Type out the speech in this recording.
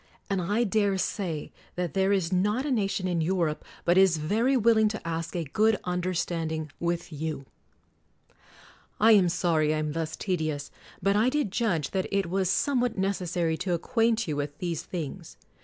And I dare say that there is not a nation in Europe but is very will ing to ask a good understanding with you. I am sorry I am thus tedious: but I did judge that it was somewhat necessary to ac quaint you with these things.